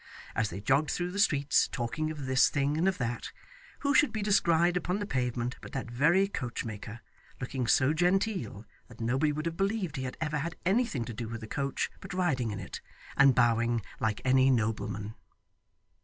As they jogged through the streets talking of this thing and of that, who should be descried upon the pavement but that very coachmaker, looking so genteel that nobody would have believed he had ever had anything to do with a coach but riding in it, and bowing like any nobleman.